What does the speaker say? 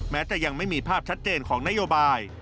แม้จะยังไม่มีภาพชัดเจนของนโยบาย